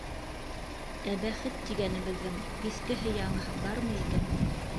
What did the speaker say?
Ә бәхет тигәнебеҙҙең иҫкеһе-яңыһы бармы икән?